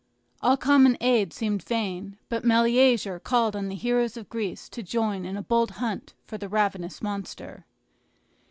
All common aid seemed vain; but Meleager called on the heroes of Greece to join in a bold hunt for the ravenous monster.